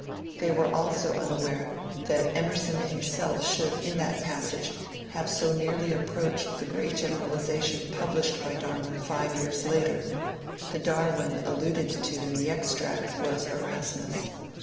They were also unaware that Emerson himself should in that passage have so nearly approached the great gen eralization published by Darwin five years later (the Darwin alluded to in the extract was Erasmus).